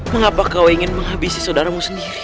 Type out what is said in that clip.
mengapa kau ingin menghabisi saudaramu sendiri